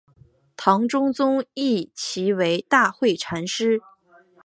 唐中宗谥其为大惠禅师。